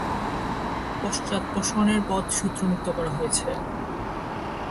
পশ্চাদপসরণের পথ শত্রুমুক্ত করা হয়েছে।